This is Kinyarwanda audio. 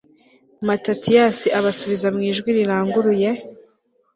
matatiyasi abasubiza mu ijwi riranguruye